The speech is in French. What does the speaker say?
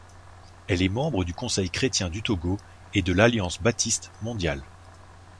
Elle est membre du Conseil chrétien du Togo et de l'Alliance baptiste mondiale.